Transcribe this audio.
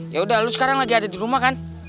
yaudah lu sekarang lagi ada di rumah kan